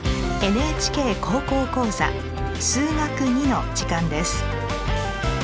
「ＮＨＫ高校講座数学Ⅱ」の時間です。